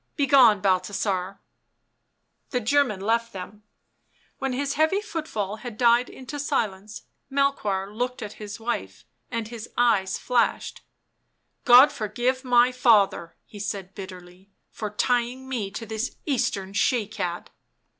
" Begone, Balthasar/' The German left them ; when his heavy footfall had died into silence, Melchoir looked at his wife and his eyes flashed :" God forgive my father," he said bitterly, " for tying me to this Eastern she cat